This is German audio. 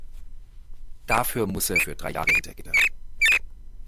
Dafür muss er für drei Jahre hinter Gitter.